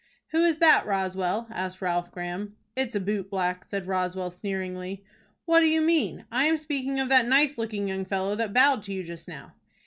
"Who is that, Roswell?" asked Ralph Graham. "It's a boot black," said Roswell, sneeringly. "What do you mean? I am speaking of that nice looking young fellow that bowed to you just now."